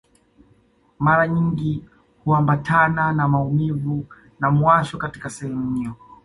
Mara nyingi huambatana na maumivu na muwasho katika sehemu hiyo